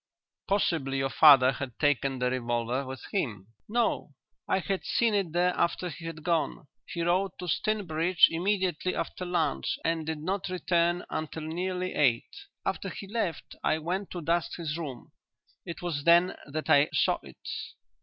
"Possibly your father had taken the revolver with him." "No. I had seen it there after he had gone. He rode to Stinbridge immediately after lunch and did not return until nearly eight. After he left I went to dust his room. It was then that I saw it.